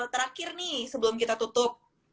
terakhir nih sebelum kita tutup